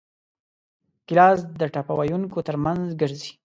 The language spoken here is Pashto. ګیلاس د ټپه ویونکو ترمنځ ګرځي.